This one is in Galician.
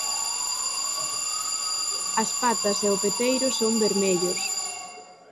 As patas e o peteiro son vermellos.